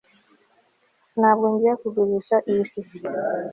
ntabwo ngiye kugurisha iyi shusho